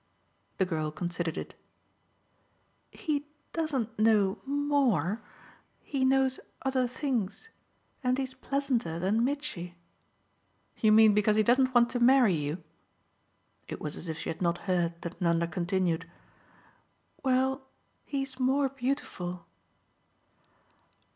The girl considered it. "He doesn't know MORE. But he knows other things. And he's pleasanter than Mitchy." "You mean because he doesn't want to marry you?" It was as if she had not heard that Nanda continued: "Well, he's more beautiful."